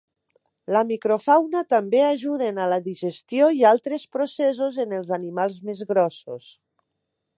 La microfauna també ajuden a la digestió i altres processos en els animals més grossos.